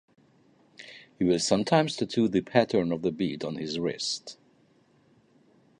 He will sometimes tattoo the pattern of the bead on his wrist.